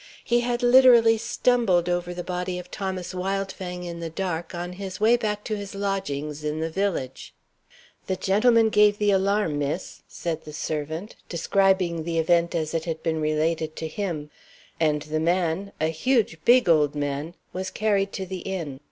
He had, literally, stumbled over the body of Thomas Wildfang in the dark, on his way back to his lodgings in the village. "The gentleman gave the alarm, miss," said the servant, describing the event, as it had been related to him, "and the man a huge, big old man was carried to the inn.